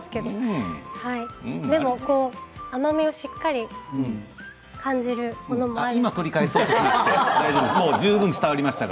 甘みをしっかり感じるものもありました。